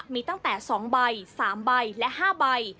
มีตั้งแต่๒ใบ๓ใบและ๕ใบ